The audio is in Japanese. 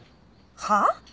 はあ！？